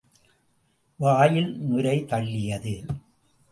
வாயில் நுரை தள்ளியது.